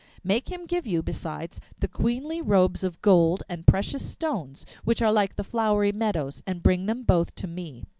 '' Make him give you, besides, the queenly robes of gold and precious stones which are like the flowery meadows, and bring them both to me.